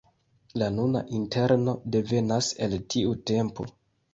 La nuna interno devenas el tiu tempo.